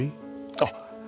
あっ！